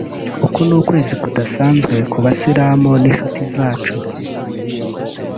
Uku ni ukwezi kudasanzwe ku basilamu n’inshuti zacu